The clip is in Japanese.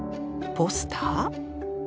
ポスター？